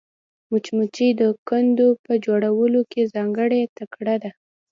مچمچۍ د کندو په جوړولو کې ځانګړې تکړه ده